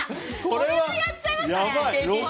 これはやっちゃいましたね！